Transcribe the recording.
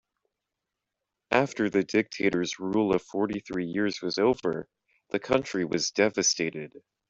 After the dictator's rule of fourty three years was over, the country was devastated.